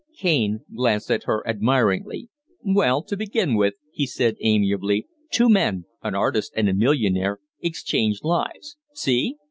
Kaine glanced at her admiringly. "Well, to begin with," he said, amiably, "two men, an artist and a millionaire, exchange lives. See?"